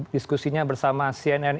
diskusinya bersama cnn